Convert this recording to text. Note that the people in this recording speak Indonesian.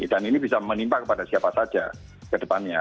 dan ini bisa menimpa kepada siapa saja ke depannya